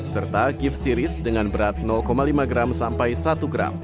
serta gift series dengan berat lima gram sampai satu gram